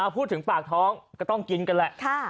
พูดถึงปากท้องก็ต้องกินกันแหละ